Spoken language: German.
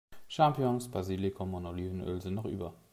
Champignons, Basilikum und Olivenöl sind noch über.